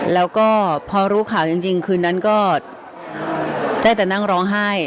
แล้วก็พอรู้ข่าวจริงคืนนั้นก็ได้แต่นั่งร้องไห้